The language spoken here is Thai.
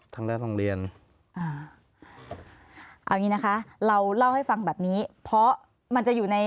ทางด้านโรงเรียนอ่าเอาอย่างงี้นะคะเราเล่าให้ฟังแบบนี้เพราะมันจะอยู่ใน